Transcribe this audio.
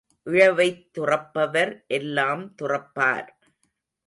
இழவைத் துறப்பவர் எல்லாம் துறப்பார்.